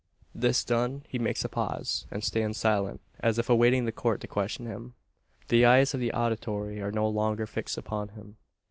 This done, he makes a pause, and stands silent, as if awaiting the Court to question him. But the eyes of the auditory are no longer fixed upon him.